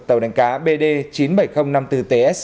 tàu đánh cá bd chín mươi bảy nghìn năm mươi bốn ts